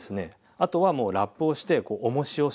あとはラップをしておもしをする。